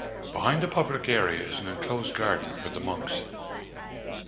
Behind the public area is an enclosed garden for the monks.